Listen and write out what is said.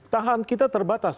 lahan kita terbatas